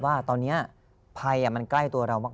ว่าตอนนี้ภัยมันใกล้ตัวเรามาก